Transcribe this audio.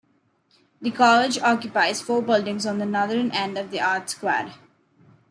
The college occupies four buildings on the northern end of the Arts Quad.